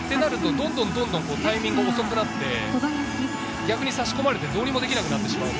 するとタイミングが遅くなって差し込まれてどうにもできなくなってしまう。